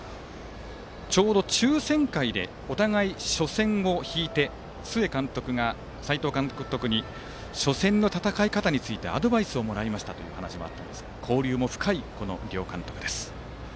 ちょうど抽選会でお互い、初戦を引いて須江監督が斎藤監督に初戦の戦い方についてアドバイスをもらいましたという話もありましたが交流も深い、この両監督です。